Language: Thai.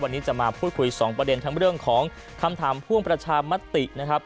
วันนี้จะมาพูดคุยสองประเด็นทั้งเรื่องของคำถามพ่วงประชามตินะครับ